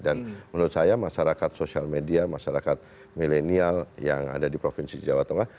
dan menurut saya masyarakat sosial media masyarakat milenial yang ada di provinsi jawa tengah